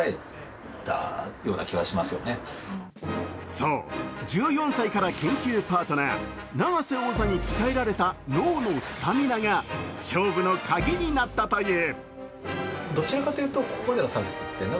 そう、１４歳から研究パートナー永瀬王座に鍛えられた脳のスタミナが勝負の鍵になったという。